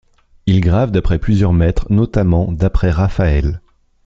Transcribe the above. Il grave d'après plusieurs maîtres, notamment d'après Raphaël.